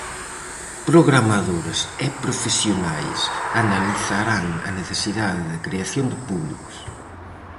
Programadores e profesionais analizarán a necesidade de creación de públicos.